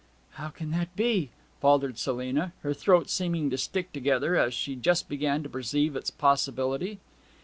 'How can that be?' faltered Selina, her throat seeming to stick together as she just began to perceive its possibility.